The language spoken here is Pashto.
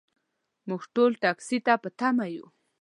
موږ ټول ټکسي ته په تمه یو .